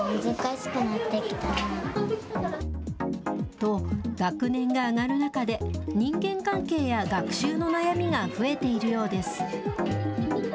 と、学年が上がる中で、人間関係や学習の悩みが増えているようです。